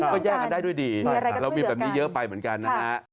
ก็แยกกันได้ด้วยดีเรามีแบบนี้เยอะไปเหมือนกันนะฮะ